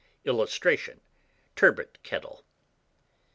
[Illustration: TURBOT KETTLE.